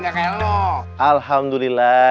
gak kayak lu alhamdulillah